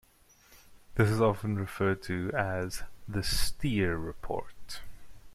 This is often referred to as 'the Steer report'